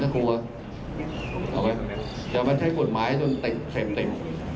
ความใช้กฎหมายจนเตะเสพเตะ